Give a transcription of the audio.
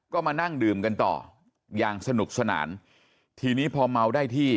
ก็มานั่งดื่มกันต่ออย่างสนุกสนานทีนี้พอเมาได้ที่